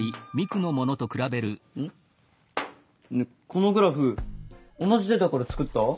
このグラフ同じデータから作った？